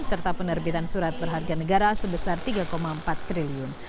serta penerbitan surat berharga negara sebesar rp tiga empat triliun